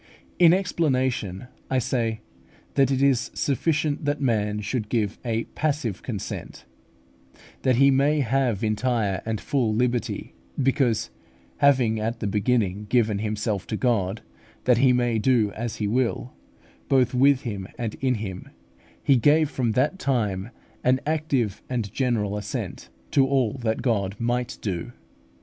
In explanation I say, that it is sufficient that man should give a passive consent, that he may have entire and full liberty; because having at the beginning given himself to God, that He may do as He will both with him and in him, he gave from that time an active and general assent to all that God might do.